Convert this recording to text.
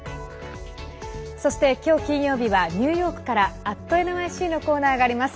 そして今日、金曜日はニューヨークから「＠ｎｙｃ」のコーナーがあります。